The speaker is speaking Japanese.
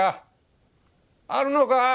あるのか？